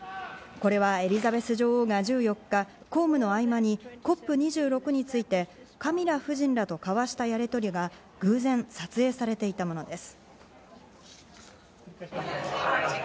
これはエリザベス女王が１４日、公務の合間にＣＯＰ２６についてカミラ夫人らと交わしたやりとりが偶然撮影されていたものです。